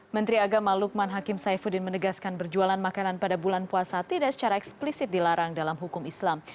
menteri agama lukman hakim saifuddin menegaskan berjualan makanan pada bulan puasa tidak secara eksplisit dilarang dalam hukum islam